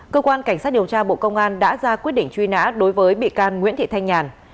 cơ quan cảnh sát điều tra bộ công an đã ra quyết định truy nã đối với bị can nguyễn thị thanh nhàn